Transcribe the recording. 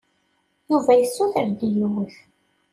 Yuba yessuter-d yiwet.